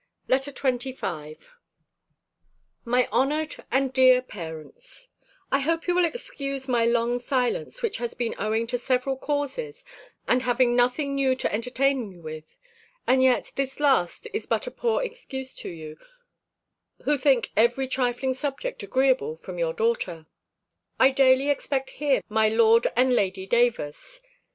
LETTER XXV MY HONOURED AND DEAR PARENTS, I hope you will excuse my long silence, which has been owing to several causes, and having had nothing new to entertain you with: and yet this last is but a poor excuse to you, who think every trifling subject agreeable from your daughter. I daily expect here my Lord and Lady Davers.